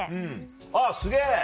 あっすげぇ！